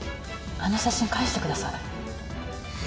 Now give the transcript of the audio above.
あの写真返してください。